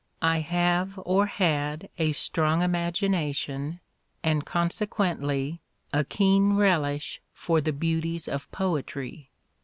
I have or had a strong imagina tion and consequently a keen relish for the beauties of poetry.